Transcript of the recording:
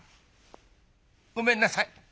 「ごめんなさい。